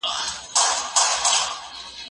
هغه وويل چي چپنه ضروري ده!؟